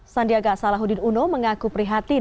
sandiaga salahuddin uno mengaku prihatin